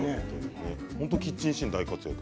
本当にキッチンシーンに大活躍。